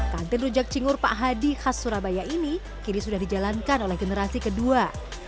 kantin rujak cingur pak hadi khas surabaya ini kini sudah dijalankan oleh generasi kedua